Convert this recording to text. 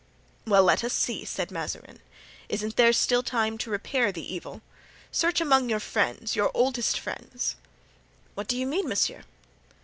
"Well, let us see," said Mazarin; "isn't there still time to repair the evil? Search among your friends, your oldest friends." "What do you mean, monsieur?"